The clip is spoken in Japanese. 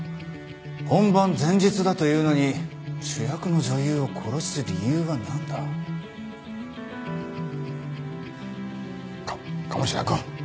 本番前日だというのに主役の女優を殺す理由はなんだ？か鴨志田くん。